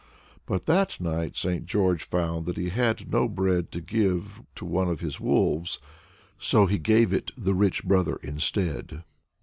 But that night St. George found that he had no bread to give to one of his wolves, so he gave it the rich brother instead.